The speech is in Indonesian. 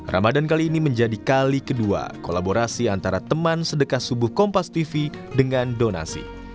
ramadan kali ini menjadi kali kedua kolaborasi antara teman sedekah subuh kompas tv dengan donasi